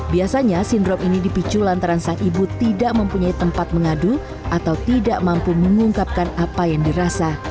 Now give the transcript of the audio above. biasanya sindrom ini dipicu lantaran sang ibu tidak mempunyai tempat mengadu atau tidak mampu mengungkapkan apa yang dirasa